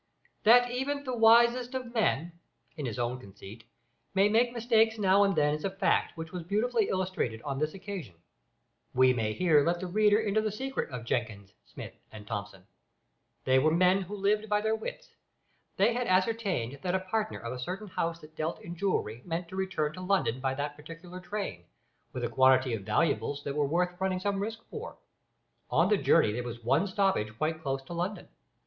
That even the wisest of men (in his own conceit) may make mistakes now and then is a fact which was beautifully illustrated on this occasion. We may here let the reader into the secret of Jenkins, Smith, and Thomson. They were men who lived by their wits. They had ascertained that a partner of a certain house that dealt in jewellery meant to return to London by that particular train, with a quantity of valuables that were worth running some risk for. On the journey there was one stoppage quite close to London.